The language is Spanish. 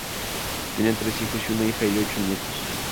Tenían tres hijos y una hija, y ocho nietos.